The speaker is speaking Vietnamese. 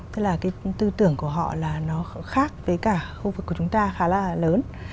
tức là cái tư tưởng của họ là nó khác với cả khu vực của chúng ta khá là lớn